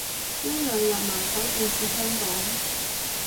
呢兩日埋首建設香港